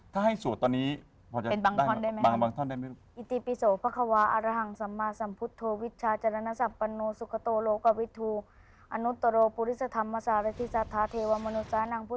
แต่ต้องดูหนังสือแต่สวดเร็วมากค่ะ